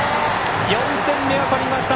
４点目を取りました！